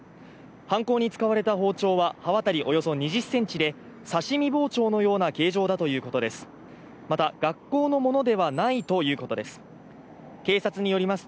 犯行に使われた包丁は刃渡りおよそ２０ｃｍで、刺身包丁のような形状だとのことです。